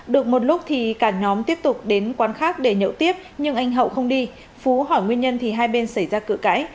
được một lúc thì cả nhóm tiếp tục đến quán khác để nhậu tiếp nhưng anh hậu không đi phú hỏi nguyên nhân thì hai bên xảy ra cự cãi